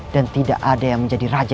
dan tidak ada yang menjadi raja